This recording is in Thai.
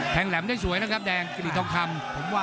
แทงแหลมได้สวยนะครับแดงกรี๊ดทองคำ